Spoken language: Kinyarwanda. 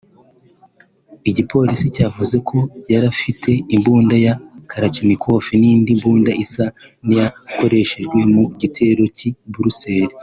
Igipolisi cyavuze ko yarafite imbunda ya Kalashnikov n’indi mbunda isa n’iyakoreshejwe mu gitero cy’i Bruxelles